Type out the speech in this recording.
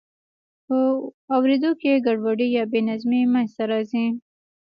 په اوریدو کې ګډوډي یا بې نظمي منځ ته راځي.